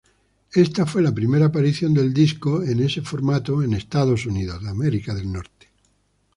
Esta fue la primera aparición del disco en este formato en Estados Unidos.